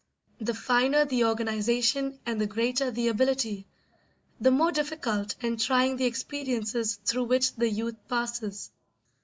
The finer the organisation and the greater the ability, the more difficult and trying the experiences through which the youth passes.